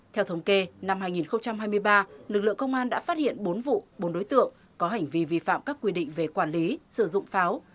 theo thống kê năm hai nghìn hai mươi ba lực lượng công an đã phát hiện bốn vụ bốn đối tượng có hành vi vi phạm các quy định về quản lý sử dụng pháo